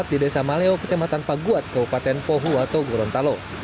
di desa maleo kecamatan paguat kabupaten pohuwato gorontalo